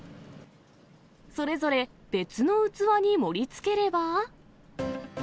それぞれ別の器に盛りつければ。